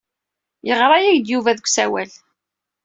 Yeɣra-ak-d Yuba deg usawal.